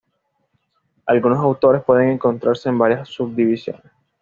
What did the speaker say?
Algunos autores pueden encontrarse en varias subdivisiones.